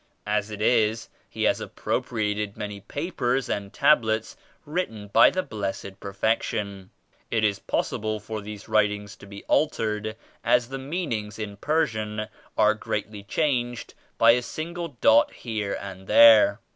As it is he has appropriated many papers and Tablets written by the Blessed Perfection. It is possible for these writings to be altered, as the meanings in Persian are greatly changed by a single dot here and there.